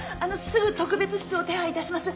すぐ特別室を手配致します。